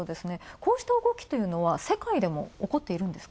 こうした動きというのは世界でもおこってるんですか。